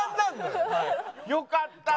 よかった！